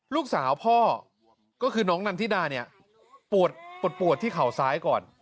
ลูกสาวพ่อก็คือน้องนันทิดาเนี่ยปวดที่เข่าซ้ายก่อน